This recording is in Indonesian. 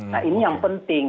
nah ini yang penting